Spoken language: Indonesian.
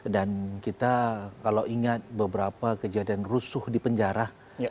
dan kita kalau ingat beberapa kejadian rusuh di penjara